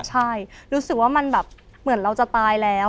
ใช่รู้สึกว่ามันแบบเหมือนเราจะตายแล้ว